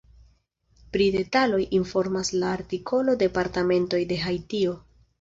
Pri detaloj informas la artikolo departementoj de Haitio.